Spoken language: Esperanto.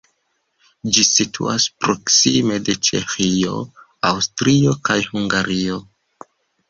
Ĝi situas proksime de Ĉeĥio, Aŭstrio kaj Hungario.